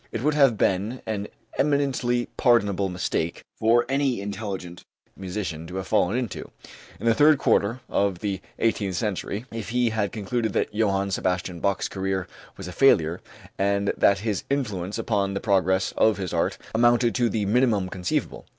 "It would have been an eminently pardonable mistake for any intelligent musician to have fallen into, in the third quarter of the eighteenth century, if he had concluded that Johann Sebastian Bach's career was a failure, and that his influence upon the progress of his art amounted to the minimum conceivable.